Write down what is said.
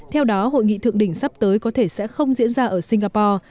theo đó hội nghị thượng đỉnh sắp tới có thể sẽ không diễn ra ở singapore